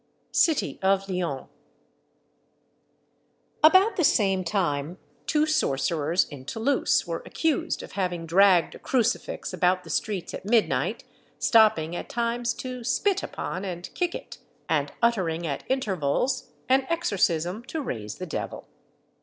[Illustration: CITY OF LYONS.] About the same time two sorcerers in Toulouse were accused of having dragged a crucifix about the streets at midnight, stopping at times to spit upon and kick it, and uttering at intervals an exorcism to raise the devil.